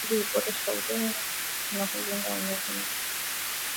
samadi huboresha udongo na hulinda unyevu unyevu